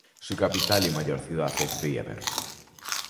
Su capital y mayor ciudad es Beaver.